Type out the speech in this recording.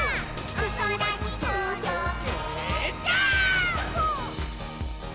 「おそらにとどけジャンプ！！」